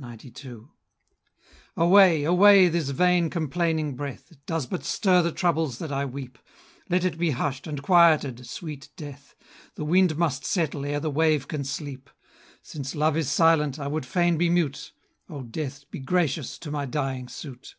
XCII. "Away, away, this vain complaining breath, It does but stir the troubles that I weep; Let it be hush'd and quieted, sweet Death; The wind must settle ere the wave can sleep, Since love is silent, I would fain be mute; O death, be gracious to my dying suit!"